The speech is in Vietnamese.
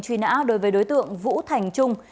truy nã đối với đối tượng vũ thành trung